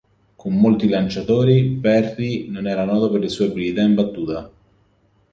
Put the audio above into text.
Con molti lanciatori, Perry non era noto per le sue abilità in battuta.